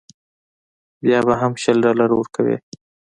بیا به هم شل ډالره ورکوې.